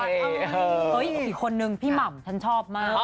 อีกคนนึงพี่หม่ำฉันชอบมาก